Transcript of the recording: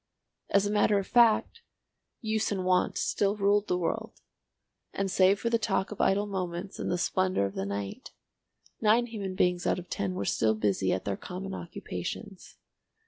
As a matter of fact, use and wont still ruled the world, and save for the talk of idle moments and the splendour of the night, nine human beings out of ten were still busy at their common occupations.